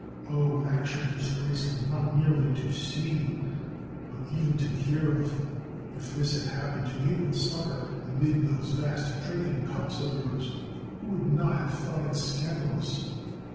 O action disgraceful not merely to see, but even to hear of ! If this had happened to you at supper amid those vast drinking cups of yours, who would not have thought it scan dalous